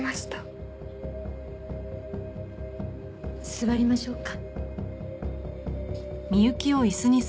座りましょうか。